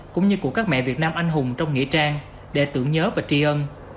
cũng như của các mẹ việt nam anh hùng trong nghĩa trang để tưởng nhớ và tri ân